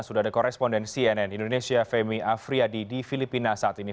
sudah ada koresponden cnn indonesia femi afriyadi di filipina saat ini